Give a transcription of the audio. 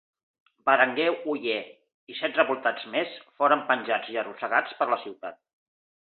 Berenguer Oller i set revoltats més foren penjats i arrossegats per la ciutat.